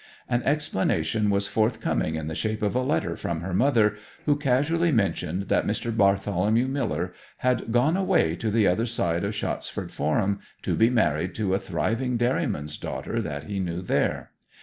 An explanation was forthcoming in the shape of a letter from her mother, who casually mentioned that Mr. Bartholomew Miller had gone away to the other side of Shottsford Forum to be married to a thriving dairyman's daughter that he knew there.